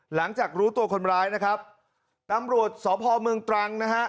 หลังจากรู้ตัวคนร้ายนะครับตำรวจสพเมืองตรังนะฮะ